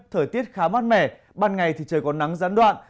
thời tiết khá mát mẻ ban ngày thì trời còn nắng gián đoạn